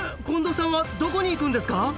近藤さんはどこに行くんですか？